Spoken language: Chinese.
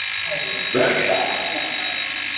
八嘎！